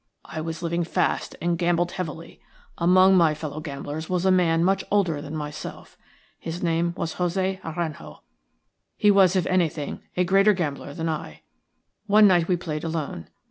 I was living fast and gambled heavily. Among my fellow gamblers was a man much older than myself. His name was José Aranjo. He was, if anything, a greater gambler than I. One night we played alone.